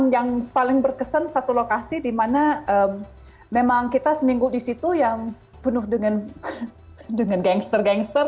yang paling berkesan satu lokasi dimana memang kita seminggu di situ yang penuh dengan gangster gangster